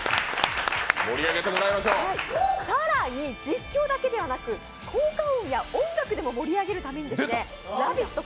更に実況だけでなく効果音や音楽でも盛り上げるるために、「ラヴィット！」